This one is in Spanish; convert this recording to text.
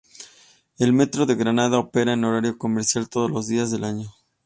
El metro de Granada opera en horario comercial todos los días del año.